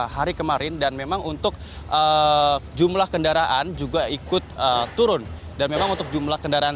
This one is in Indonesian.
hari kemarin dan memang untuk jumlah kendaraan juga ikut turun dan memang untuk jumlah kendaraan